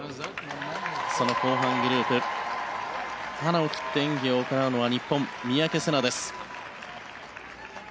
その後半グループハナを切って演技を行うのは日本、三宅星南です。